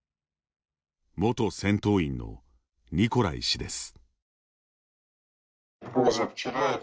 元戦闘員のニコライ氏です。